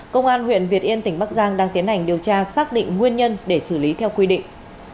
công an huyện việt yên tỉnh bắc giang đang tiến hành điều tra xác định nguyên nhân để xử lý theo quy định